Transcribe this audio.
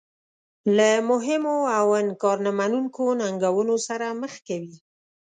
له مهمو او انکار نه منونکو ننګونو سره مخ کوي.